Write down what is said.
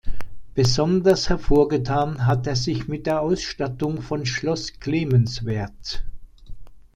Besonders hervorgetan hat er sich mit der Ausstattung von Schloss Clemenswerth.